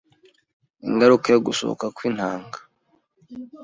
ingaruka ku gusohoka kw’intanga,